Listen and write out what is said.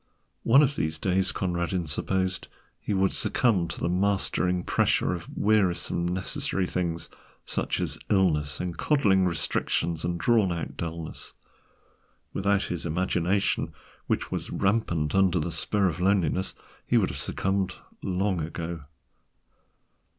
One of these days Conradin supposed he would succumb to the mastering pressure of wearisome necessary things—such as illnesses and coddling restrictions and drawn out dullness. Without his imagination, which was rampant under the spur of loneliness, he would have succumbed long ago.